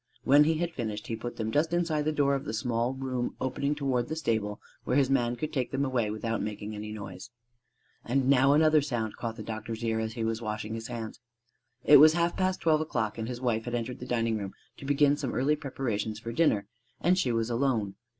When he had finished, he put them just inside the door of the small room opening toward the stable where his man could take them away without making any noise. And now another sound caught the doctor's ear as he was washing his hands. It was half past twelve o'clock; and his wife had entered the dining room to begin some early preparations for dinner, and she was alone.